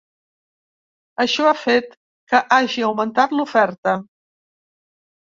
Això ha fet que hagi augmentat l’oferta.